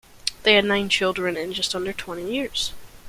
They had nine children in just under twenty years.